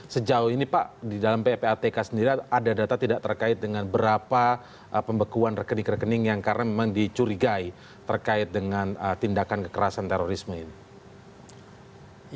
sejauh ini pak di dalam ppatk sendiri ada data tidak terkait dengan berapa pembekuan rekening rekening yang karena memang dicurigai terkait dengan tindakan kekerasan terorisme ini